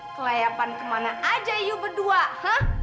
kelayapan kemana aja you berdua ha